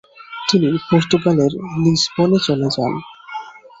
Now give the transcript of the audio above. তিনি পর্তুগালের লিসবনে চলে যান।